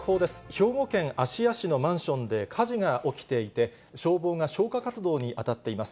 兵庫県芦屋市のマンションで火事が起きていて、消防が消火活動に当たっています。